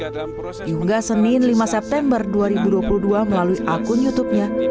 diunggah senin lima september dua ribu dua puluh dua melalui akun youtubenya